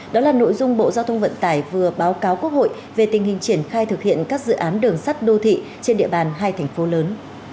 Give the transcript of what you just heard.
đó là nội dung bộ giao thông vận tải vừa báo cáo quốc hội về tình hình triển khai thực hiện các dự án đường sắt đô thị trên địa bàn hai thành phố lớn